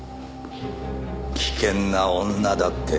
危険な女だって。